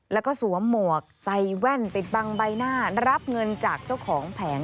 แล้วก็สวมหมวกใส่แว่นปิดบังใบหน้ารับเงินจากเจ้าของแผง